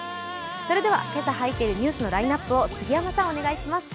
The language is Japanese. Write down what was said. それでは今朝入っているニュースのラインナップを杉山さん、お願いします。